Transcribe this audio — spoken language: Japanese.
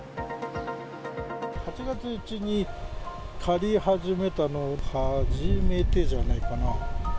８月中に刈り始めたのは初めてじゃないかな。